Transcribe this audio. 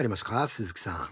鈴木さん。